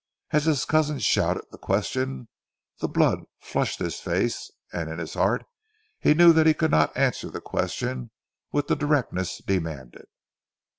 As his cousin shouted the question the blood flushed his face, and in his heart he knew that he could not answer the question with the directness demanded.